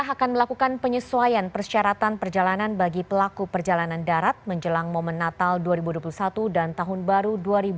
akan melakukan penyesuaian persyaratan perjalanan bagi pelaku perjalanan darat menjelang momen natal dua ribu dua puluh satu dan tahun baru dua ribu dua puluh